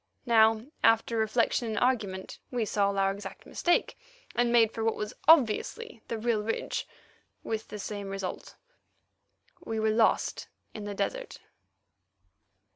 Now, after reflection and argument, we saw our exact mistake, and made for what was obviously the real ridge—with the same result. We were lost in the desert!